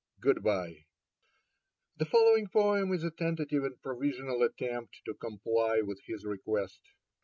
Good bye." The following poem is a tentative and provisional attempt to comply with his request.